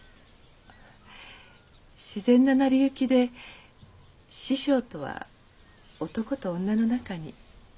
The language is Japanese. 自然な成り行きで師匠とは男と女の仲に。